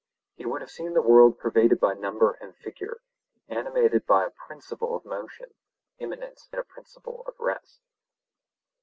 He would have seen the world pervaded by number and figure, animated by a principle of motion, immanent in a principle of rest.